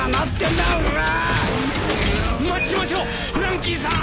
待ちましょうフランキーさん！